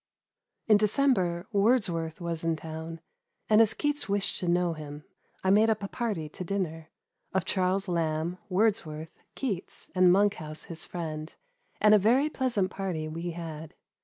In December Wordsworth was in town, and as Keats wished to know him, I made up a party to dinner, of Charles Lamb, Wordsworth, Keats, and Monkhouse, his friend, and a very pleasant party we had.